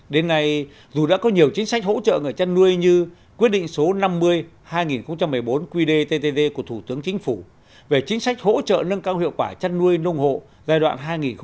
đến nay dù đã có nhiều chính sách hỗ trợ người chăn nuôi như quyết định số năm mươi hai nghìn một mươi bốn qdttd của thủ tướng chính phủ về chính sách hỗ trợ nâng cao hiệu quả chăn nuôi nông hộ giai đoạn hai nghìn một mươi sáu hai nghìn hai mươi